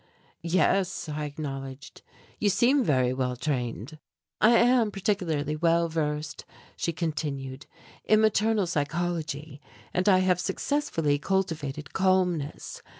"Yes," I acknowledged, "you seem very well trained." "I am particularly well versed," she continued, "in maternal psychology; and I have successfully cultivated calmness.